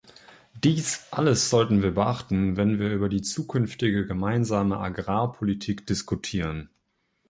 Dies alles sollten wir beachten, wenn wir über die zukünftige gemeinsame Agrarpolitik diskutieren.